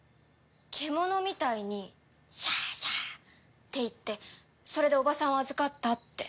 獣みたいに「シャーシャー！」って言ってそれで「叔母さんを預かった」って。